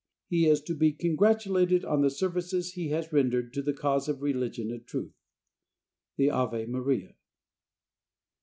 He is to be congratulated on the services he has rendered to the cause of religion and truth. The Ave Maria.